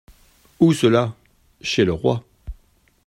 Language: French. Où cela ? Chez le roi.